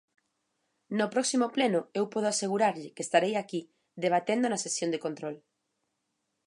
No próximo pleno eu podo asegurarlle que estarei aquí debatendo na sesión de control.